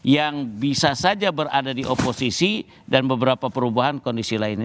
yang bisa saja berada di oposisi dan beberapa perubahan kondisi lainnya